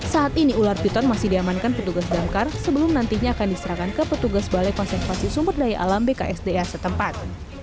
saat ini ular piton masih diamankan petugas damkar sebelum nantinya akan diserahkan ke petugas balai konservasi sumber daya alam bksda setempat